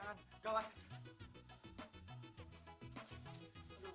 kamu sampai ke samping